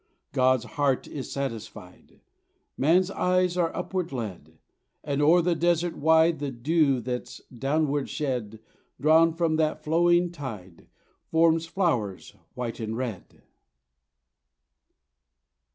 God's heart is satisfied, man's eyes are upward led, And o'er the desert wide, the dew that's downward shed Drawn from that flowing tide, forms flowers white and red.